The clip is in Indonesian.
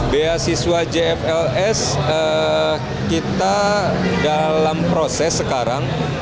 beasiswa jfls kita dalam proses sekarang